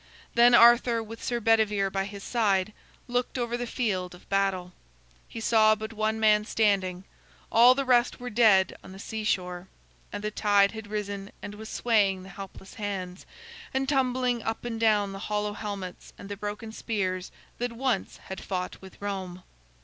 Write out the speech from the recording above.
Then Arthur, with Sir Bedivere by his side, looked over the field of battle. He saw but one man standing; all the rest were dead on the seashore. And the tide had risen, and was swaying the helpless hands, and tumbling up and down the hollow helmets and the broken spears that once had fought with Rome.